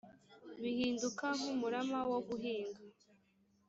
bihinduka nk umurama wo guhinga